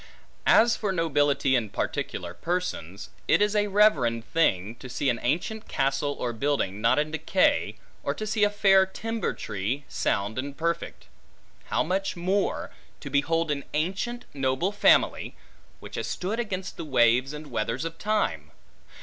As for nobility in particular persons; it is a reverend thing, to see an ancient castle or building, not in decay; or to see a fair timber tree, sound and perfect. How much more, to behold an ancient noble family, which has stood against the waves and weathers of time!